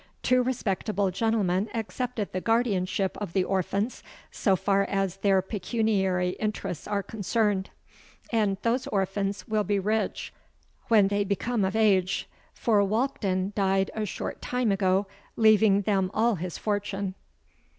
Two respectable gentlemen accepted the guardianship of the orphans, so far as their pecuniary interests are concerned; and those orphans will be rich when they become of age,—for Walkden died a short time ago, leaving them all his fortune.